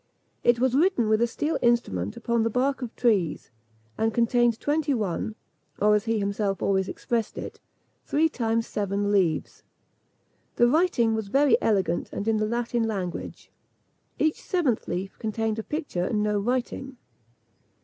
It was written with a steel instrument upon the bark of trees, and contained twenty one, or as he himself always expressed it, three times seven, leaves. The writing was very elegant and in the Latin language. Each seventh leaf contained a picture and no writing.